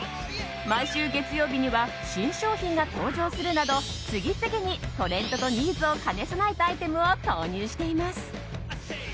毎週月曜日には新商品が登場するなど次々にトレンドとニーズを兼ね備えたアイテムを投入しています。